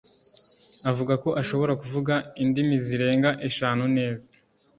avuga ko ashobora kuvuga indimi zirenga eshanu neza